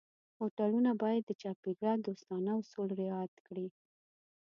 هوټلونه باید د چاپېریال دوستانه اصول رعایت کړي.